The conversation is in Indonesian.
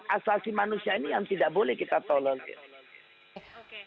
asasi manusia ini yang tidak berhubungan dengan kejahatan